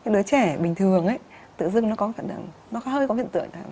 đứa trẻ bình thường tự dưng nó hơi có biện tượng